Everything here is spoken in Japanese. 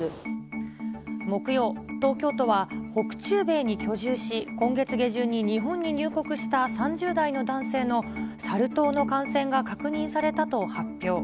木曜、東京都は、北中米に居住し、今月下旬に日本に入国した３０代の男性のサル痘の感染が確認されたと発表。